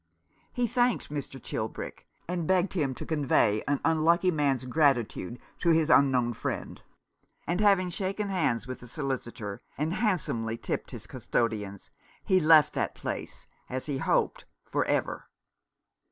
He thanked Mr. Chilbrick, and begged him to convey an unlucky man's gratitude to his unknown friend, and having shaken hands with the solicitor, and handsomely tipped his custodians, he left that place, as he hoped, for ever.